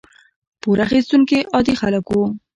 پور اخیستونکي عادي خلک وو.